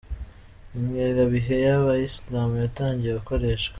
Ingengabihe y’aba islam yatangiye gukoreshwa.